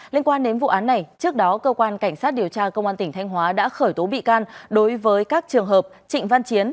liên quan đến vụ án này trước đó cơ quan cảnh sát điều tra công an tỉnh thanh hóa đã khởi tố bị can đối với các trường hợp trịnh văn chiến